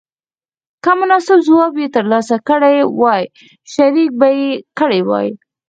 که مناسب ځواب یې تر لاسه کړی وای شریک به یې کړی وای.